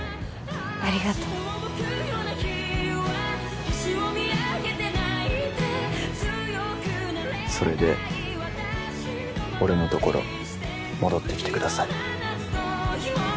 ありがとうそれで俺のところ戻ってきてください